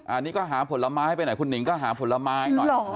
อันนี้ก็หาผลไม้ไปไหนคุณหิงก็หาผลไม้หน่อย